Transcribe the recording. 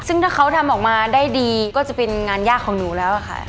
ซึ่งถ้าเขาทำออกมาได้ดีก็จะเป็นงานยากของหนูแล้วค่ะ